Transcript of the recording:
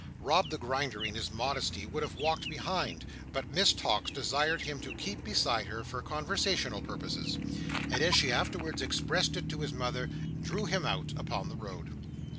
Rob the Grinder, in his modesty, would have walked behind, but Miss Tox desired him to keep beside her, for conversational purposes; and, as she afterwards expressed it to his mother, "drew him out," upon the road.